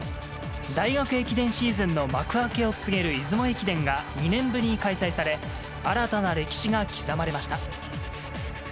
大学駅伝シーズンの幕開けを告げる出雲駅伝が２年ぶりに開催され、新たな歴史が刻まれました。